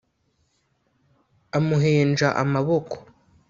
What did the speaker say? amuhenja amaboko